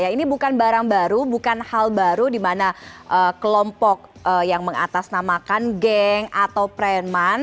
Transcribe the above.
ini bukan barang baru bukan hal baru di mana kelompok yang mengatasnamakan geng atau preman